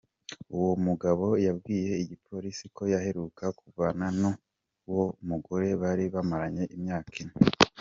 Uwo mugabo yabwiye igipolisi ko yaheruka kuvana n'uwo mugore bari bamaranye imyaka ine.